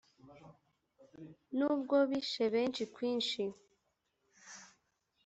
N’ubwo bishe benshi kwinshi